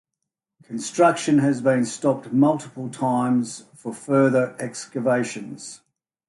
Construction has been stopped multiple times for further excavations.